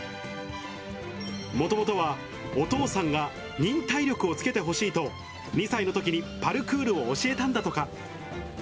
もともとはお父さんが、忍耐力をつけてほしいと、２歳のときにパルクールを教えたんだとか。